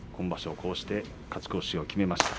こうして勝ち越しを決めました。